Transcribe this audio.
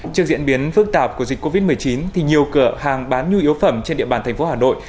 trước diễn biến phức tạp của dịch covid một mươi chín thì nhiều cửa hàng bán nhu yếu phẩm trên địa bàn thành phố hà nội